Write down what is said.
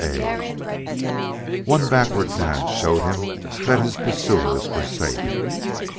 A.!" One backward glance showed him that his pursuers were safe.